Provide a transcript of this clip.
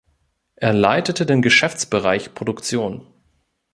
Er leitete den Geschäftsbereich Produktion.